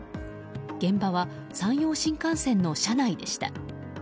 現場は山陽新幹線の車内でした。